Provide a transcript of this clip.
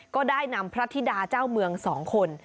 ก็ได้นำพระธิดาเจ้าเมือง๒คน